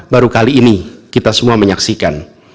baru kali ini kita semua menyaksikan